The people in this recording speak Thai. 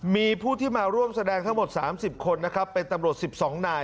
มีผู้ที่มาร่วมแสดงทั้งหมด๓๐คนนะครับเป็นตำรวจ๑๒นาย